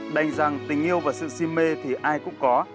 đành rằng tình yêu và sự sim mê thì ai cũng có